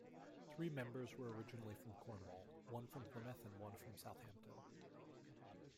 Three members were originally from Cornwall, one from Plymouth and one from Southampton.